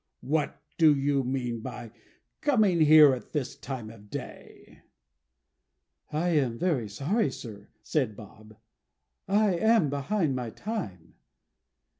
"What do you mean by coming here at this time of day?" "I am very sorry, sir," said Bob. "I am behind my time."